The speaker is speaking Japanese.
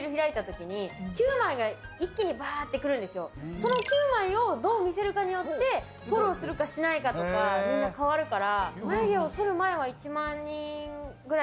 その９枚をどう見せるかによって、フォローするかしないかとか、みんな変わるから。